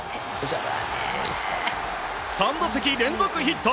３打席連続ヒット。